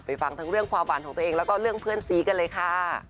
ฟังทั้งเรื่องความหวานของตัวเองแล้วก็เรื่องเพื่อนซีกันเลยค่ะ